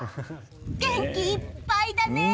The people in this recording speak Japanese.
元気いっぱいだね！